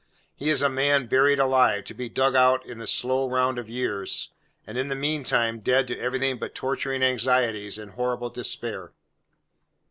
He is a man buried alive; to be dug out in the slow round of years; and in the mean time dead to everything but torturing anxieties and horrible despair.